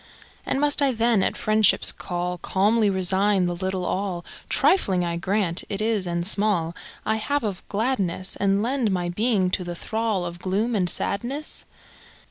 And must I then, at FriendshipŌĆÖs call, Calmly resign the little all (Trifling, I grant, it is and small) I have of gladness, And lend my being to the thrall Of gloom and sadness?